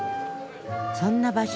そんな場所